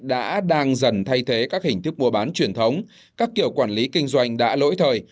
đã đang dần thay thế các hình thức mua bán truyền thống các kiểu quản lý kinh doanh đã lỗi thời